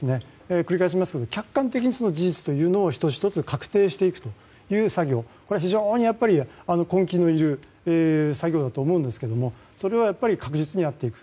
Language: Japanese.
繰り返しますが客観的な事実を１つ１つ確定していくという作業がこれは非常に根気のいる作業だと思うんですがそれを、確実にやっていく